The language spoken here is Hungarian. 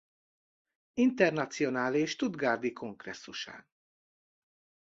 Internacionálé stuttgarti kongresszusán.